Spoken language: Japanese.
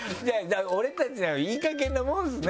俺たちいいかげんなもんですね